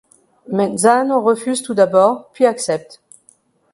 Menzano refuse tout d'abord, puis accepte.